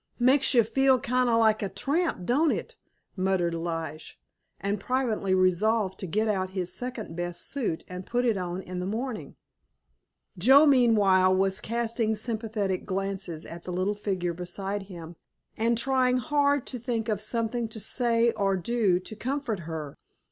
"Makes you feel kind of like a tramp, don't it?" muttered Lige, and privately resolved to get out his second best suit and put it on in the morning. Joe meanwhile was casting sympathetic glances at the little figure beside him, and trying hard to think of something to say or do to comfort her.